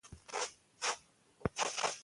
دا د هر انساني موجود اساسي تجربه ده.